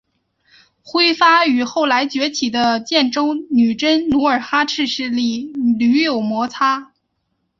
辉发与后来崛起的建州女真努尔哈赤势力屡有摩擦。